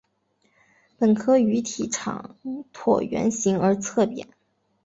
本科鱼体长椭圆形而侧扁。